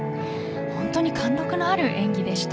本当に貫禄のある演技でした。